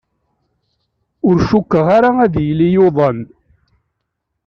Ur cukkeɣ ad yili yuḍen.